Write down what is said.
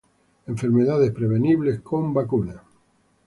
enfermedades prevenibles con vacunas